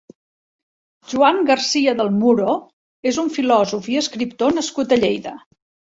Joan Garcia del Muro és un filòsof i escriptor nascut a Lleida.